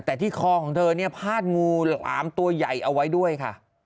แต่ที่คอของเธอเนี่ยพาดงูหลามตัวใหญ่เอาไว้ด้วยค่ะ